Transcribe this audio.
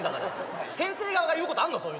先生側が言うことあんの？